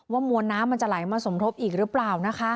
มวลน้ำมันจะไหลมาสมทบอีกหรือเปล่านะคะ